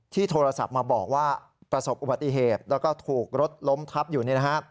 โทรศัพท์มาบอกว่าประสบอุบัติเหตุแล้วก็ถูกรถล้มทับอยู่